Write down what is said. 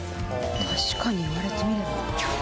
確かに言われてみれば。